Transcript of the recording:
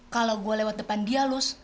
kalo gue lewat depan dia lus